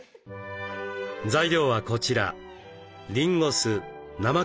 材料はこちら。